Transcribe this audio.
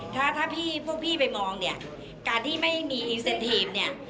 ถ้าถ้าพี่พวกพี่ไปมองเนี่ยการที่ไม่มีอีเซ็นทีมเนี่ย